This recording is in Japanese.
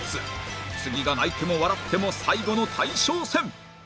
次が泣いても笑っても最後の大将戦